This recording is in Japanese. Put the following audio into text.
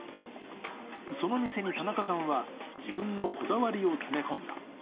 その店に田中さんは自分のこだわりを詰め込んだ。